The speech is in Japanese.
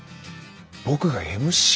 僕がＭＣ？